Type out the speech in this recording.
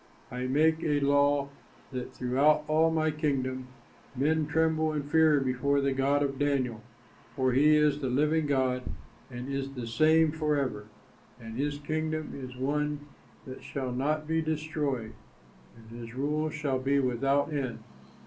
I make a law that throughout all my kingdom, men tremble and fear before the God of Daniel; for he is the living God, and is the same forever, and his kingdom is one that shall not be destroyed; and his rule shall be without end.